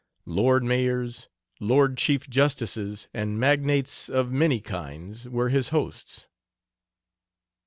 Lord Mayors, Lord Chief justices, and magnates of many kinds were his hosts."